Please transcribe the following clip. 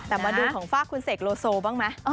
แต่มาดูของฝากคุณเสกโลโซบ้างไหม